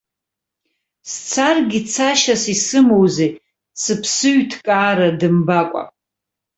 Сцаргьы, цашьас исымоузеи, сыԥсыҩҭкаара дымбакәа!